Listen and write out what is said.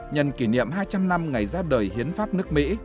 nhân kỷ niệm hai trăm linh năm ngày ra đời hiến pháp nước mỹ